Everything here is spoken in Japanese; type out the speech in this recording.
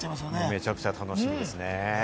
めちゃくちゃ楽しみです。